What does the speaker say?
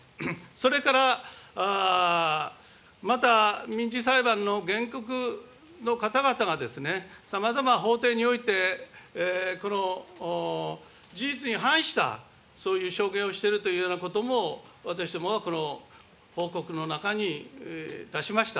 それからまた民事裁判の原告の方々がさまざま法廷において、この事実に反した、そういう証言をしているというようなことも、私どもはこの報告の中に出しました。